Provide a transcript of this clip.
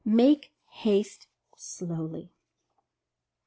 MAKE HASTE SLOWLY.